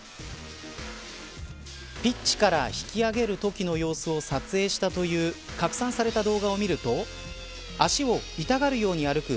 ピッチから引き上げるときの様子を撮影したという拡散された動画を見ると足を痛がるように歩く